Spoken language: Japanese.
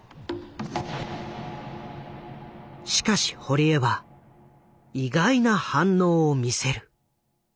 しかし堀江は意外な反応を見せる。